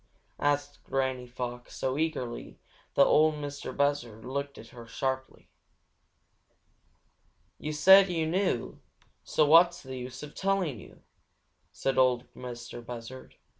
asked Granny Fox, so eagerly that Ol' Mistah Buzzard looked at her sharply. "Yo' said you knew, so what's the use of telling yo'?" said Ol' Mistah Buzzard.